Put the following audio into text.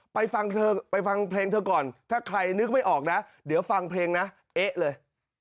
ไปฟังเธอไปฟังเพลงเธอก่อนถ้าใครนึกไม่ออกนะเดี๋ยวฟังเพลงนะเอ๊ะเลย